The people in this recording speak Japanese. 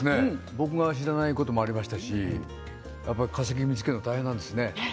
僕が知らないこともありますし化石を見つけるのは大変なんでしょうね。